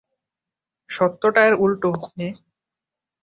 সত্যটা এর উল্টো, মেয়ে।